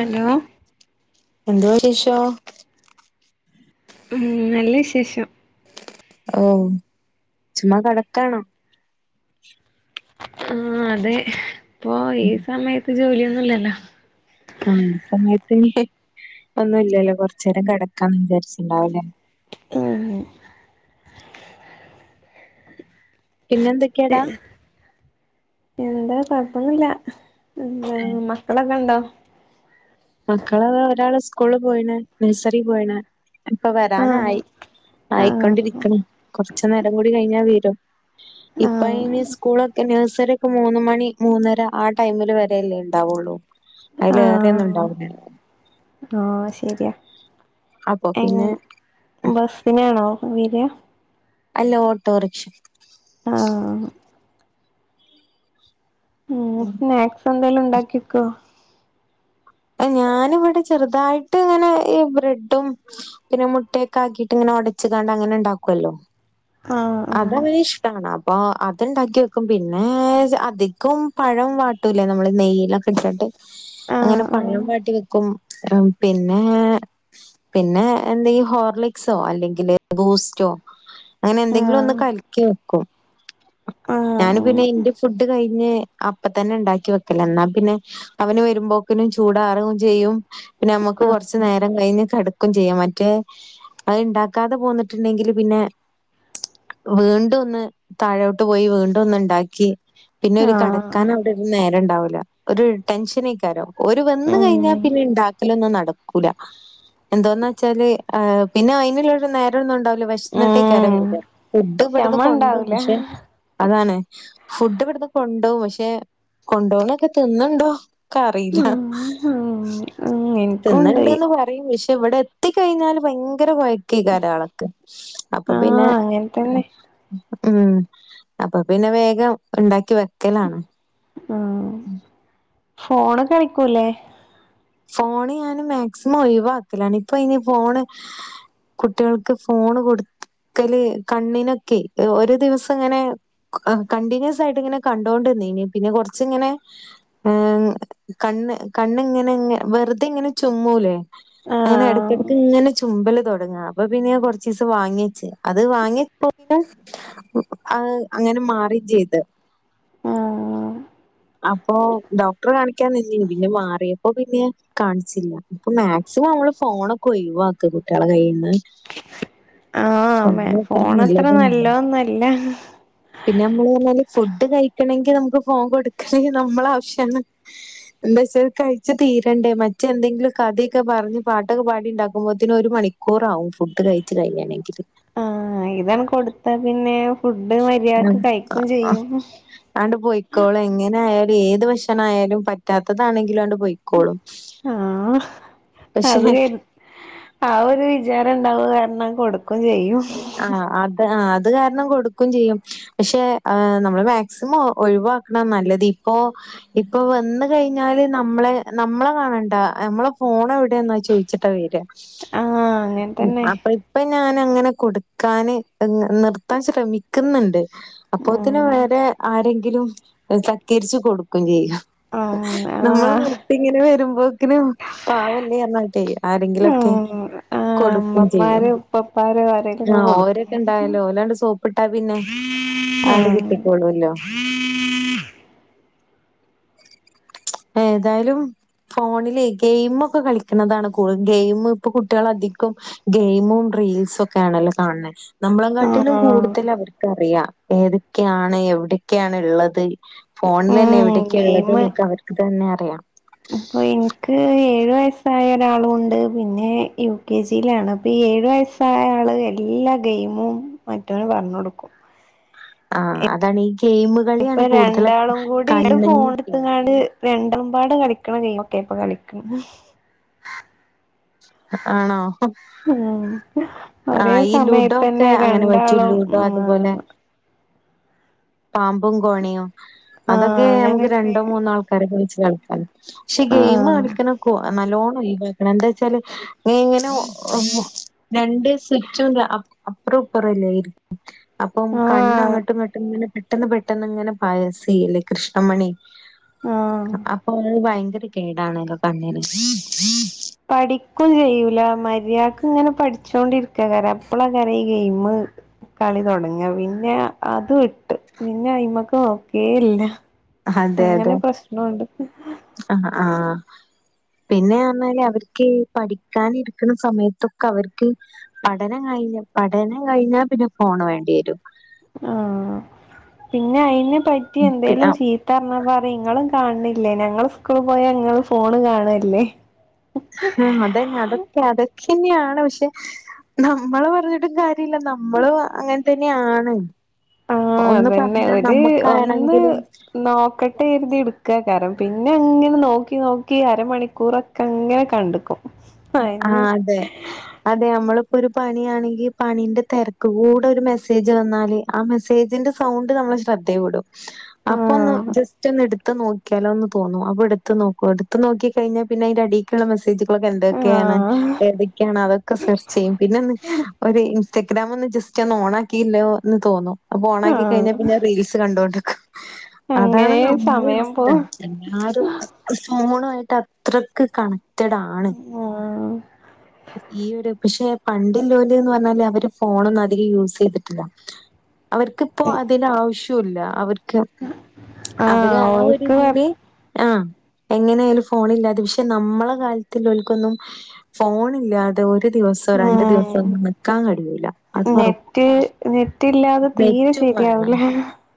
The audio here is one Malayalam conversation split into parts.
ഹലോ എന്തോ വിഷേഷോ ഉം നല്ല വിശേഷം ഓഹ് ചുമ്മാ കെടക്കാണോ ആഹ് അതെ ഇപ്പൊ ഈ സമയത്ത് ജോലിയൊന്നുംല്ലല്ലോ ആഹ് ഈ സമയത്ത് അയ്‌ന് ഒന്നുംല്ലല്ലോ കൊറച്ചേരം കിടക്കാന്ന് വിചാരിച്ചിണ്ടാവൂലേ എഹ് ഹേ പിന്നെന്തെ എന്താ കുഴപ്പൊന്നുല്ല എന്താ മ ക്കളൊക്കെണ്ടോ മക്കള് ഒരാള് സ്കൂള് പോയിണ് നഴ്സറി പോയിണ് ഇപ്പ ആഹ് വരാനായി ആഹ് ആയിക്കൊണ്ടിരിക്ക്‌ണ് കൊറച്ച് നേരം കൂടി കഴിഞ്ഞാ വരും ഉ [inaudible] ഇപ്പ അയ്‌ന് സ്കൂളൊക്കെ നേഴ്സറി ഒക്കെ മൂന്ന് മണി മൂന്നര ആ ടൈമില് വരല്ലേ ണ്ടാവുള്ളൂ അയ്ല് ഏറെ ആഹ് ഒന്നുംണ്ടാഉ ആഹ് ശരിയാ അപ്പൊ പിന്നെ ബസ്സിനാണോ വെരാ അല്ല ഓട്ടോറിക്ഷക്ക്‌ ആഹ് ഉം സ്നാക്സ് എന്തേലും ഉണ്ടാക്ക്യക്കോ അഹ് ഞാന് ഇവിടെ ചെറുതായിട്ട് ഇങ്ങനെ ബ്രെഡും പിന്നെ മുട്ടയൊക്കെ ആക്കിയിട്ട് ഇങ്ങനെ ഉടച്ചിട്ട് കാണ്ട് അങ്ങനെ ണ്ടാക്കോല്ലോ ആഹ് അത് അവന് ഇഷ്ടാണ് അപ്പൊ അത് ണ്ടാക്കി വെക്കും പിന്നെ അധികം പഴം വ ട്ടൂല്ലേ നമ്മള് നെയ്യീല്ലൊക്കെ ഇട്ടിട്ട് അങ്ങനെ ആഹ് പഴം വാട്ടി വെക്കും പിന്നെ പിന്നെ എന്തീ ഹോർലിക്സോ അല്ലെങ്കില് ബൂസ്റ്റോ അങ്ങനെ എന്തെ നൊന്ന് ആഹ് കലക്കി വെക്കും ആഹ് ഞാന് പിന്നെ ആഹ് എന്റെ ഫുഡ് കഴിഞ്ഞ് അപ്പ തന്നെ ഉണ്ടാക്കി വെക്കല എന്നാ പിന്നെ അവന് വരുമ്പോക്കിനും ചൂടാറോം ചെയ്യും പിന്നെ നമ്മക്ക് കൊറച് ആഹ് നേരം കയ്ഞ് കിടക്കും ചെയ്യാ മറ്റേ അഹ് ഇണ്ടാക്കാതെ പോന്നിട്ടുണ്ടെങ്കിൽ പിന്നെ വീണ്ടും ഒന്ന് താഴോട്ട് പോയി വീണ്ടും ഒന്ന് ണ്ടാക്കി പിന്നെ ആഹ് ഒരു കടക്കാൻ ആഹ് അവിടെന്നും നേരം ഉണ്ടാവൂല്ല ഒരു ടെൻഷനേയ്കാരോ ഓല് വന്ന് കഴിഞ്ഞാ ഉം പിന്നെണ്ടാ ക്കലൊന്നും നടക്കൂല എന്തോന്നേച്ചാല് എഹ് പിന്നെ അയ്നുള്ള നേരം ഒന്നും ഉണ്ട ല്ല വെഷ്ന്ന്ട്ടേക്കാരം ഉം വ ഫുഡ് ഇവിടന്ന് ക്ഷമ കൊണ്ടോവും ഉണ്ടാവൂല പക്ഷെ അതാണ് ഫുഡ് ഇവിടുന്ന് കൊണ്ടോവും പക്ഷെ കൊണ്ടോന്നൊക്കെ തിന്ന്ണ്ടോ ഇക്ക അറിയില്ല ഉം ഉം [unintelligible] തിന്നൽണ്ട്ന്ന് പർ [unintelligible] ഇവടെ എത്തി കഴിഞാല് ഭയങ്കര കൊയ്ക്കേകാരോ അവക്ക് അപ്പ പിന്നെ ആഹ് അങ്ങനെ തന്നെ ഉം അപ്പൊ പിന്നെ വേഗം ഉണ്ടാക്കി വെക്കലാണ് ഫോണി കളിക്കൂല്ലേ ഫോണ് ഞാന് മാക്സിമം ഒഴിവാക്കലാണ് ഇപ്പൊ അതിന് ഫോണ് കുട്ടികൾക്ക് ഫോണ് കൊടു ക്കല് കണ്ണിനൊക്കെയ് ഒരു ദിവസം ഇങ്ങനെ കണ്ടിന്യൂസ് ആയിട്ട് ഇങ്ങനെ കണ്ടോണ്ട് നിന്നീനി പിന്നെ കൊറച്ച് ഇങ്ങനെ ഏഹ് കണ്ണ് കണ്ണ് ഇങ്ങനെ ഇങ്ങ വെറുതെ ഇങ്ങനെ ചുമ്മൂലേ അങ്ങനെ ആഹ് ഇടക്കിടക്ക് ഇങ്ങനെ ചുമ്പല് തുടങ്ങുക അപ്പൊ പിന്നെ ഞാൻ കുറച്ച് ദിവസം വാങ്ങി വെച്ച് അത് വാങ്ങി തൊട്ട് ആഹ് അങ്ങനെ മാറിം ചെയ്ത് ആഹ് അപ്പൊ ഡോക്ടറെ കാണിക്കാൻ നിന്നീനി പിന്നെ മാറിയപ്പോ പിന്നെ കാണിച്ചില്ല ഇപ്പൊ മാക്സിമം നമ്മള് ഫോണൊക്കെ ഒഴവാക്ക് കുട്ടികളെ കൈയിന്ന് ആഹ് ഫോൺ അത്ര നല്ലതൊന്നല്ല. നല്ലത് ഒന്നു അല്ല പിന്നെ നമ്മള് പറഞ്ഞല് ഫുഡ് കഴിക്കണെങ്കിൽ നമുക്ക് ഫോൺ കൊടുക്കാണെങ്കിൽ നമ്മളെ ആവശ്യാണ് എന്താ വെച്ചാൽ കഴിച്ചു തീരണ്ടേ മറ്റെന്തെങ്കിലും കഥയൊക്കെ പറഞ്ഞ് പാട്ടൊക്കെ പാടി ഉണ്ടാക്കുമ്പോത്തിന് ഒരു മണി ക്കൂറാവും ഫുഡ് കഴിച്ച് കഴിയെണെങ്കില് ആഹ് ഇതാണ് കൊടുത്ത പിന്നെ ഫുഡ് മര്യാദക്ക് കഴിക്കും ചെയ്യും ആണ്ട് പോയി ക്കോളും എങ്ങനെ ആയാലും ഏത് ഭക്ഷണം ആയാലും പറ്റാത്തതാണെങ്കിലും ആണ്ട് പൊയി ക്കോളും ആഹ് പക്ഷെ അത് കരു ആ ഒരു വിചാരം ഉണ്ടാവും കാരണം കൊടുക്കും ചെയ്യും ആഹ് അത് ആഹ് അത് കാരണം കൊടുക്കും ചെയ്യും പക്ഷെ ആഹ് നമ്മള് മാക്സിമം ഒഴിവാ ക്ക്ണാ നല്ലത് ഇപ്പോ ഇപ്പൊ വന്ന് കഴിഞ്ഞാല് നമ്മളെ നമ്മളെ കാണണ്ട നമ്മളെ ഫോൺ എവിടേ എന്നാ ചോദിച്ചിട്ടാ വരുക ആഹ് അങ്ങനെ തന്നെ അപ്പൊ ഇപ്പ ഞാൻ അങ്ങനെ കൊടുക്കാന് നിർത്താൻ ശ്രമിക്കുന്നുണ്ട് അപ്പോത്തിന് ഉം ഇവടെ ആരെങ്കിലും തക്കേരിച്ചു കൊടുക്കയും ചെയ്യാ ആഹ് നമ്മള് ആഹ് നിർത്തി ഇങ്ങനെ വരുമ്പോത്തിനും പാവം അല്ലെ എന്ന് പറഞ്ഞിട്ടെയ് ആരെങ്കിലും ഒക്കെ കൊടുക്കയും ചെയ്യും ഇപ്പപ്പാരെ വരെ ട്ടൊക്കെ ആഹ് കൊടുക്കു ഓരൊക്കെ ഇണ്ടായാലോ ഓലാണ്ട് സോപ്പിട്ടാ പിന്നെ ലേ [inaudible] ആണ്ട് ആഹ് കിട്ടിക്കോളൂല്ലോ [inaudible] ഏതായാലും ഫോണിലെയ് ഗെയിമ് ഒക്കെ കളിക്കുന്നതാണ് കൂടുതൽ ഗെയിമ് ഇപ്പൊ കുട്ടികള് അധികം ഗെയിമും റീൽസും ഒക്കെ ആണല്ലോ കാണ്‌ണത് നമ്മളെ കാട്ടിലും ആഹ് കൂടുതല് അവർക്ക് അറിയാം ഏതൊക്കെയാണ് എവിടെക്കേണ് ഉള്ളത് ഫോണിൽ തന്നെ ഉം എവിടെക്കെ ഉള്ളത് ഗെയിമ് എന്നൊക്കെ അവർക്ക് തന്നെ അറിയാം അപ്പൊ ഇൻക്ക് ഏഴു വയസ്സായ ഒരാളും ഉണ്ട് പിന്നെ യു കെ ജിയിലാണ് അപ്പൊ ഈ ഏഴു വയസ് താഴേ ആള് എല്ലാ ഗെയിമും മറ്റവന് പറഞ്ഞ് കൊടുക്കും ആഹ് അതാണ് ഈ ഗെയിം കളിയാണ് ഇപ്പൊ കൂടുതൽ രണ്ടാളും കൂടി എന്റെ ഫോണ് കണ്ണിന് എടുത്ത് കാണ്ട് രണ്ടും പാടെ കളിക്കണ ഗെയിം ഒക്കെ ഇപ്പൊ കളിക്ക്ണത് ആണോ ഉം ഒരേ ആഹ് ഈ ലൂഡോ ഒക്കെ സമയത്തന്നെ അങ്ങനെ പറ്റും രണ്ടാളും ലൂഡോ അതുപോലെ ഉം പാമ്പും കോണിയും ആഹ് അതൊക്കെ നമുക്ക് അങ്ങനെയൊക്കെ രണ്ടോ മൂന്നോ ആൾ ക്കാരൊക്കെ വെച്ച് കാണ്ട് കളിക്ക പക്ഷെ ഗെയിം ആഹ് കളിക്കണ കോ നല്ലോണം ഒഴിവാക്കണം എന്ത ച്ചാല് ഇങ്ങനെ ഒ [inaudible] രണ്ട് സ്വിച്ചും ലേ അ അപ്പറും ഇപ്പറും അല്ലേ അപ്പം കണ്ണ് ആഹ് അങ്ങട്ടും ഇങ്ങട്ടും ഇങ്ങനെ പെട്ടെന്ന് പെട്ടെന്ന് ഇങ്ങനെ പയസി അല്ലെ കൃഷ്ണമണി ആഹ് അപ്പം അപ്പൊ അത് ഭയങ്കരം കേട് അണേല്ലോ കണ്ണ്ന് പഠിക്കും ചെയ്യൂല മര്യാക്ക് ഇങ്ങനെ പഠിച്ചോണ്ടിരിക്കാകാരം അപ്പളാക്കാരം ഈ ഗെയിമ് കളി തൊടങ്ങാ പിന്നെ അത് പിന്ന അയ്മക്ക് നോക്കേയില്ല അങ്ങനെ പ്രശ്നോണ്ട് ഉം ആഹ് പിന്നെ പറഞ്ഞാല് അവർക്ക് പഠിക്കാൻ ഇരിക്കണ സമയത്ത് ഒക്കെ അവർക്ക് പഠനം കഴിഞ്ഞ പഠനം കഴിഞ്ഞാ പിന്നെ ഫോണ് വേണ്ടി വരും ആഹ് പിന്നെ അയിനെപറ്റി പി- എന്തേലും ആ ചീ ത്ത പറഞ്ഞാ പറയും ഇങ്ങളും കാണണില്ലേ ഞങ്ങള് സ്കൂള് പോയാ ഇങ്ങള് ഫോണ് കാണല്ലേ ആഹ് അതന്നെ അതൊക്കെ അതൊക്കെന്നെയാണ് പക്ഷെ നമ്മളെ പറഞ്ഞിട്ടും കാര്യ ല്ല നമ്മളും അങ്ങനെ തന്നെയാണ് ആഹ് ഒന്ന് അതന്നെ പറഞ്ഞാ ഒരു ഒന്ന് നമ്മക്കാണെങ്കിലും നോക്ക നോട്ട് എഴുതി എടുക്കാകാരം പിന്നെ അങ്ങനെ നോക്കി നോക്കി അരമണിക്കൂറൊക്കെ അങ്ങനെ കണ്ട്ക്കും അയിന് ആഹ് അതെ അതെ നമ്മളിപ്പോ ഒരു പണിയാണെങ്കി പണീന്റെ തെരക്ക് കൂടെ ഒരു മെസ്സേജ് വന്നാല് ആ മെസ്സേജിന്റെ സൗണ്ട് നമ്മള് ശ്രദ്ധ വിടും അപ്പൊ ഒന്ന് ആഹ് ജസ്റ്റ് ഒന്ന് എടു ത്ത് നോക്കിയാലോ എന്ന് തോന്നും അപ്പോ എടുത്ത് നോക്കും എടുത്ത് നോക്കി കഴിഞ്ഞാ പിന്നെ അയ്ന്റെ അടീക്കുള്ള മെസേജുകളൊക്കെ എന്തൊ ക്കെയാണ് ആഹ് എവിടെക്കാണ് അതൊ ക്കെ സെർച്ച് ചെയ്യും പിന്നെ ഒന്ന് ഒരു ഇൻസ്റ്റഗ്രാം ഒന്ന് ജസ്റ്റ് ഒന്ന് ഓൺ ആക്കിയില്ലോ എന്ന് തോന്നും അപ്പൊ ഓണാക്കി കഴിഞ്ഞാ ആഹ് പിന്നെ റീൽസ് കണ്ടോണ്ട്ക്കും അതാണ് അങ്ങനെ നമ്മളെ സമയം അവസ്ഥ പോവും എല്ലാരും ഫോൺ ആയിട്ട് അത്രക്ക് കണക്റ്റഡ് ആണ് ആഹ് ഈ ഒരു പക്ഷെ പണ്ട്ല്ലോല്ന്ന് പറഞ്ഞാല് അവര് ഫോണൊന്നും അധികം യൂസ് ചെയ്തിട്ടില്ല അവർക്കിപ്പോ അതില് ആവശ്യോല്ല അവർ ക്ക്‌ അവര് ആഹ് ആ ഒര് ഓൽക്ക് ഇതില് ആ എങ്ങനെയാലും ഫോണ് ഇല്ലാതെ പക്ഷെ നമ്മളെ കാലത്തില്ലോൽ ക്കൊന്നും ഫോൺ ഇല്ലാതെ തെ ഒരു ദിവസോ രണ്ടു ഉം ദിവസോ ഒന്നും നിൽക്കാൻ കഴിയൂല്ല അത് ഒറ നെറ്റ് നെറ്റില്ലാതെ തീരെ വേണം ശരിയാവൂലാ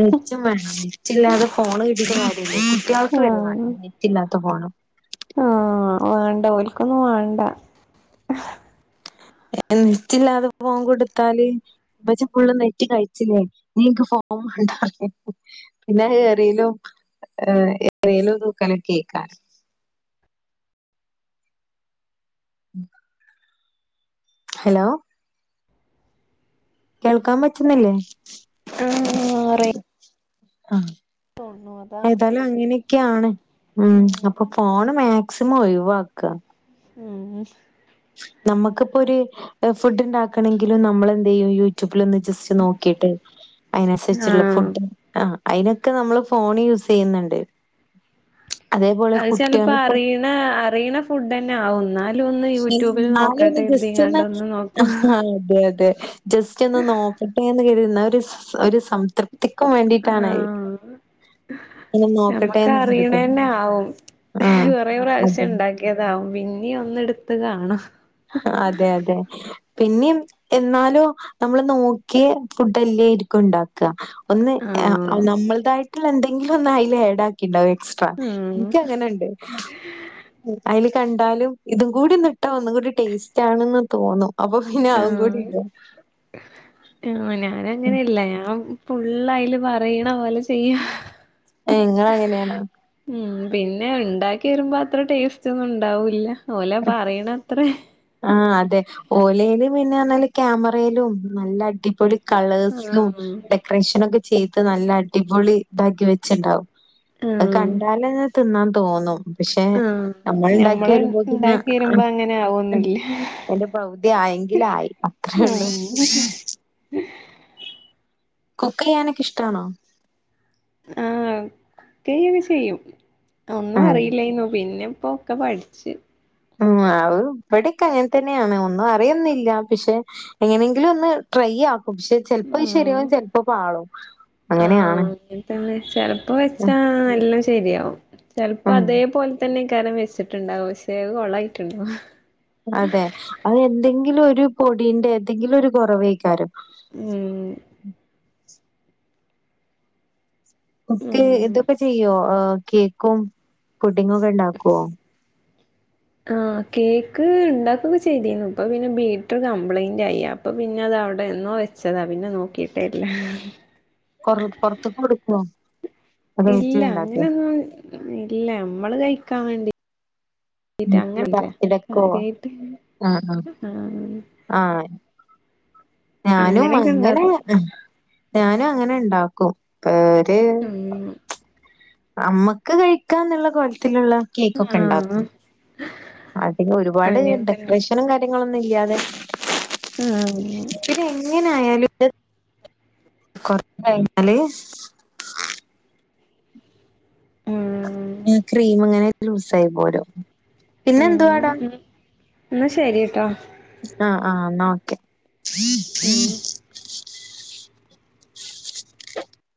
നെറ്റും വാണം നെറ്റില്ലാതെ ഫോണ് കിട്ടിയിട്ട് കാര്യല്ല കുട്ടികൾക്ക് വരേ വാണ്ട ആഹ് നെറ്റില്ലാത്ത ഫോണ് ആഹ് വേണ്ട ഓൽക്കൊന്നും വേണ്ട നെറ്റ്‌ല്ലാതെ ഫോൺ കൊടുത്താല് ഇമ്മച്ചി ഫുള്ള് നെറ്റ് കഴിച്ചില്ലേ ഇനി ഇൻക്ക് ഫോൺ വേണ്ട പറയും പിന്നെ എറിയലും ഏഹ് എറിയലും തൂക്കലും ഒക്കെ അയ്ക്കാരം ഉം ഹലോ കേൾക്കാൻ പറ്റുന്നില്ലേ ആഹ് വേറെ ആഹ് അതാ ഏതായാലും അങ്ങനെയൊക്കെയാണ് ഉം അപ്പൊ ഫോണ് മാക്സിമം ഒഴിവാക്കാ ഉം നമുക്കിപ്പൊരു ഫുഡ് ഉണ്ടാക്കണങ്കിലും നമ്മളെന്ത്‌ ചെയ്യും യൂട്യൂബിൽ ഒന്ന് ജസ്റ്റ് നോക്കീട്ട് അയ്നനുസരിച്ചുള്ള ആഹ് ഫുഡ് ആഹ് അയ്നൊക്കെ നമ്മള് ഫോണ് യൂസ് ചെയ്യുന്നുണ്ട് അതേപോലെ കുട്ടികളിപ്പോ ന്നെ അറിയണ ഫുഡ്ഡന്നാവും ന്നാ ലുവൊന്ന് യൂട്യൂബില് എന്നാലും നോക്കട്ടെ ഒന്ന് ജസ്റ്റ് കരുതിങ്ങാണ്ട് ഒന്ന് നോക്കും ആഹാ, അതെ അതെ ജസ്റ്റ് ഒന്ന് നോക്കട്ടെന്ന് കരുതി എന്നാ ഒരു ഒരു സംതൃപ്തിക്കും വേണ്ടിയിട്ടാണ് ഇങ്ങനെ ഞമ്മക്ക് നോക്കട്ടെന്ന് കരുതും. അറിയണന്നെ ആവും ആഹ്. കൊറേ അതെ. പ്രാവശ്യം ഉണ്ടാക് ക്ക്യതാവും പിന്നേം ഒന്ന് എടുത്ത് കാണാം അതെ അതെ പിന്നേ എന്നാലും നമ്മള് നോക്കിയ ഫുഡ്ഡ‌ല്ലേരിക്കും ഉണ്ടാക് ക്ക ഒന്ന് ആഹ് നമ്മളതായിട്ടുള്ള എന്തെങ്കിലും ഒന്ന് അതിൽ ഏടാക്കി ഉണ്ടാവേം എക്സ്ട്രാ ഉം എനിക്കങ്ങനെണ്ട് അയില് കണ്ടാലും ഇതും കൂടി ഒന്നിട്ടാ ഒന്നും കൂടി ടേസ്റ്റ് ആണെന്ന് തോന്നും അപ്പൊ പിന്നെ അതും കൂടി ഇടും ആഹ [inaudible] ഞാനങ്ങനെ അല്ല ഞാൻ ഫുള്ളയില് പറയണ പോലെ ചെയ്യും ഏ ഇങ്ങളങ്ങനെയാണോ ഉം പിന്നെ ഉണ്ടാക്കി വരുമ്പോ അത്ര ടേസ്റ്റ് ഒന്നും ഉണ്ടാവൂല്ല ഓലെ പറയണ ത്രേം ആഹ് അതെ ഓലയില് പിന്നെ ആന്നേല് ക്യാമറയിലും നല്ല അടിപൊളി കളേഴ്സും ആഹ് ഡെക്കറേഷനൊക്കെ ചെയ്ത് നല്ല അടിപൊളി ഇതാക്കി വെച്ചുണ്ടാവും അത് ആഹ് കണ്ടാലന്നെ തിന്നാൻ തോന്നും പക്ഷെ ആഹ് നമ്മളുണ്ടാക്കി ഞമ്മള് വരുമ്പോ തന്നെ ഇണ്ടാക്കി വരുമ്പോ അങ്ങനെ ആവൊന്നില്ല അയിന്റെ പകുതി ആയെങ്കിലായി അത്രേ ഉള്ളൂ ഉം കുക്ക് ചെയ്യാനൊക്കെ ഇഷ്ട്ടാണോ? ആഹ് കുക്ക് ചെയ്യൊക്കെ ചെയ്യും ഒന്നും ആഹ് അറിയില്ലായ്ന്നു പിന്നിപ്പോ ഒക്കെ പഠി ച്ച്. ഉം ആവ് ഇവിടൊക്കെ അങ്ങനെ തന്നെയാണ് ഒന്നും അറിയൊന്നില്ല പക്ഷെ. എങ്ങനെയെങ്കിലും ഒന്ന് ട്രൈ ആക്കും പക്ഷെ ചെലപ്പത് ആഹ് ശരിയാവും ചെലപ്പൊ പാളും അങ്ങനെ ആണ്. തന്നെ ചെലപ്പോ വെച്ചാ എല്ലാം ശരിയാവും ചെലപ്പോ ഉം. അതേപോലെ തന്നെകാരം വെച്ച ട്ടുണ്ടാവും ക്ഷേ അത് കൊളായിട്ടുണ്ടാവും. അതെ അത് എന്തെങ്കിലും ഒരു പൊടീന്റെ എന്തെങ്കിലും ഒരു കൊറവായിക്കാരം. ഉം കുക്ക് ഉം ഇതൊക്കെ ചെയ്യോ ആഹ് കേക്കും പുഡ്ഡിംഗും ഓക്കെ ഇണ്ടാക്കോ? ആഹ് കേക്ക് ഇണ്ടാക്കൊക്കെ ചെയ്തീനു ഇപ്പൊ പിന്നെ ബീറ്ററ് കംപ്ലയിന്റായി അ പ്പൊ പിന്നെ അത് അവ്ടെ എന്നോ വെച്ചതാ പിന്നെ നോക്കിട്ടേല്ല. കൊറ് പൊറത്ത്ക്ക് കൊട്ക്കോ? ഇല്ല അങ്ങനൊന്നും ഇല്ല മ്മള് കഴിക്കാൻ വേണ്ടി. [inaudible] വീട്ടില് അങ്ങനില്ല ബർത്ത്ഡേക്കോ? കാര്യായ്ട്ട് ആഹ് ആഹ്. ആഹ്. ആഹ്. ഞാനും അങ്ങനെയൊക്കെ അങ്ങനെ ഇണ്ടാക്കും ഞാനും അങ്ങനെ ഇണ്ടാക്കും. പേര് ഉം അമ്മക്ക് കഴിക്കാന്നുള്ള കോലത്തിലുള്ള ആഹ് അതികം ഒരുപാട് അങ്ങനെ തന്നെ ഡെക്കറേഷനും കാര്യങ്ങളൊന്നും ഇല്യാതെ. ഉം ഉച്ചക്ക് എങ്ങനെയാലും കൊറച് കഴിഞ്ഞാല് ആഹ് ഈ ക്രീം ഇങ്ങനെ ലൂസായി പോരും പിന്നെന്തുവാടാ ന്നാ ശരി ട്ടോ ആഹ് ആഹ് ന്നാ ഓക്കെ ഉം